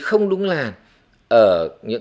không đúng làn ở những